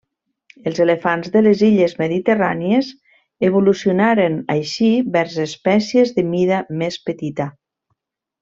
Els elefants de les illes mediterrànies evolucionaren així vers espècies de mida més petita.